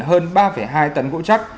hơn ba hai tấn gỗ chắc